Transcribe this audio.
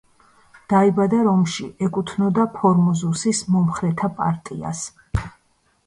დაიბადა რომში, ეკუთვნოდა ფორმოზუსის მომხრეთა პარტიას.